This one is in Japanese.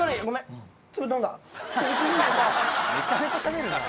めちゃめちゃしゃべるなぁ。